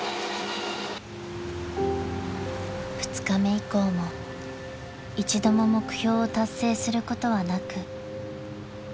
［２日目以降も一度も目標を達成することはなく］